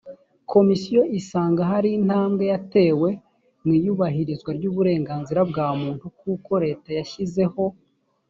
komisiyo isanga hari intambwe yatewe mu iyubahirizwa ry uburenganzira bwa muntu kuko leta yashyizeho